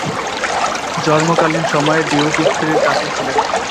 জন্মকালীন সময়ে ডিউক স্ত্রীর কাছে ছিলেন।